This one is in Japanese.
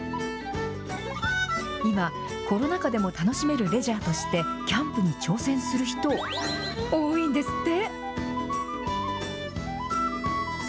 今、コロナ禍でも楽しめるレジャーとしてキャンプに挑戦する人、多いんですって。